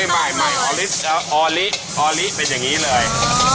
ใหม่ออลิออลิเป็นอย่างนี้เลย